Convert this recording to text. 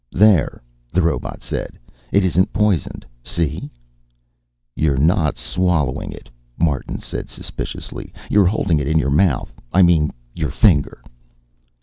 "There," the robot said. "It isn't poisoned, see?" "You're not swallowing it," Martin said suspiciously. "You're holding it in your mouth I mean your finger."